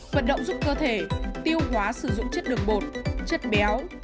vận động giúp cơ thể tiêu hóa sử dụng chất đường bột chất béo